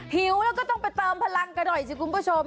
หิวแล้วก็ต้องไปเติมพลังกันหน่อยสิคุณผู้ชม